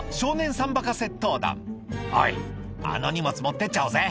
３バカ窃盗団「おいあの荷物持ってっちゃおうぜ」